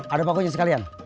ada pakunya sekalian